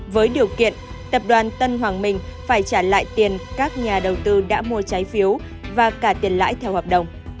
với điều kiện tập đoàn tân hoàng minh phải trả lại tiền các nhà đầu tư đã mua trái phiếu và cả tiền lãi theo hợp đồng